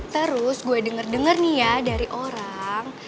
terus gue denger denger nih ya dari orang